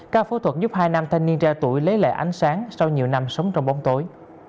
ca phẫu thuật giúp hai nam thanh niên trẻ tuổi lấy lại ánh sáng sau nhiều năm sống trong bóng tối